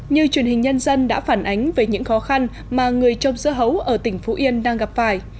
như truyền hình nhân dân đã phản ánh về những khó khăn mà người trông dưa hấu ở tỉnh phú yên đang gặp phải